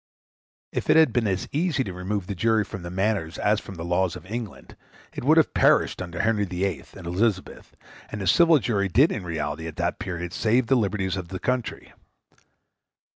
If it had been as easy to remove the jury from the manners as from the laws of England, it would have perished under Henry VIII, and Elizabeth, and the civil jury did in reality, at that period, save the liberties of the country.